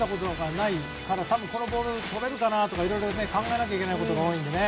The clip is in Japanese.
このボールとれるかなとかいろいろ考えなきゃいけないことが多いのでね。